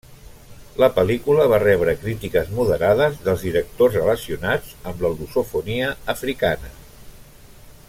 La pel·lícula va rebre crítiques moderades dels directors relacionats amb la lusofonia africana.